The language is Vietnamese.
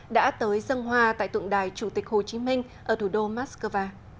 đã tới dân hoa tại tượng đài chủ tịch hồ chí minh ở thủ đô moscow